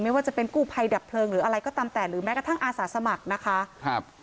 ไม่ว่าจะเป็นกู้ภัยดับเพลิงหรืออะไรก็ตามแต่หรือแม้กระทั่งอาสาสมัครนะคะครับ